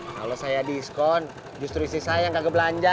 kalau saya diskon justru saya kagak belanja